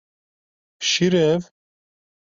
Şîr e ev?